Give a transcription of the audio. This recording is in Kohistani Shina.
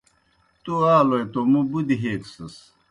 تْو آلوئے توْ موں بُدیْ ہیکسِس۔